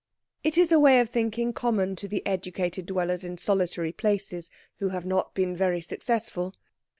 It is a way of thinking common to the educated dwellers in solitary places, who have not been very successful.